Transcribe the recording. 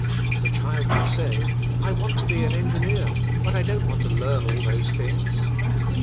The child may say, "I want to be an engineer but I don't w^ant to learn all those things.